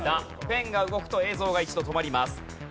ペンが動くと映像が一度止まります。